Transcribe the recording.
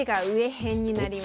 編になります。